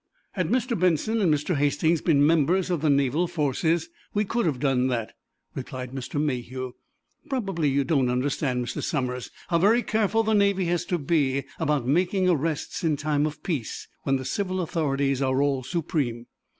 "Had Mr. Benson and Mr. Hastings been members of the naval forces we could have done that," replied Mr. Mayhew. "Probably you don't understand, Mr. Somers, how very careful the Navy has to be about making arrests in times of peace, when the civil authorities are all supreme.